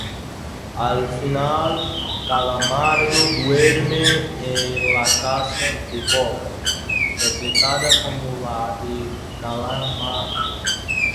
Al final, Calamardo duerme en la casa de Bob, replicada como la de Calamardo.